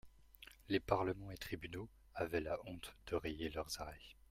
Les Parlements et tribunaux avaient la honte de rayer leurs arrêts.